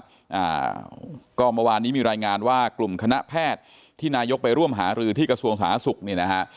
หรือเปล่านะครับก็เมื่อวานนี้มีรายงานว่ากลุ่มคณะแพทย์ที่นายกไปร่วมหารือที่กระทรวงศาสตร์ศุกร์